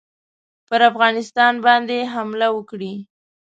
پر افغانستان باندي حمله وکړي.